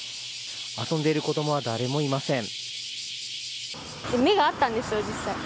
遊んでいる子供は誰もいません。